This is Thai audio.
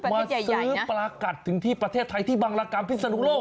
มาซื้อปลากัดถึงที่ประเทศไทยที่บังรกรรมพิศนุโลก